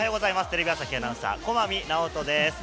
テレビ朝日アナウンサー駒見直音です。